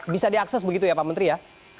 bisa diakses begitu ya pak menteri ya